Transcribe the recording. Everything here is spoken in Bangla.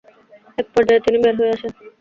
এক পর্যায়ে তিনি বের হয়ে আসেন।